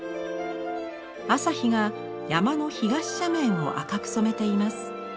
朝日が山の東斜面を赤く染めています。